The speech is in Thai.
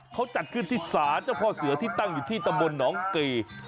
เขาจัดคืนที่สาเจ้าพ่อเสือที่ตั้งอยู่ที่ตะบลน้องเกย์